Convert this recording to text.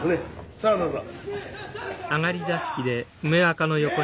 さあどうぞ。